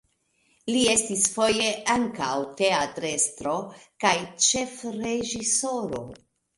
Li estis foje ankaŭ teatrestro kaj ĉefreĝisoro.